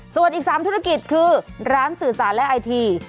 ส่วนอีก๓ธุรกิจคือร้านสื่อสารและไอที